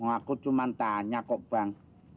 aku cuma tanya kok bang